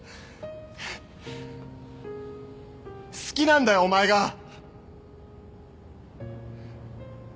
好きなんだよお前が！